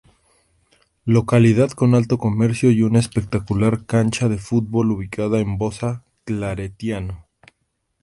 Localidad con alto comercio y una espectacular cancha de fútbol ubicada en Bosa claretiano.